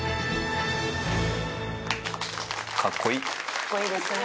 かっこいいですね。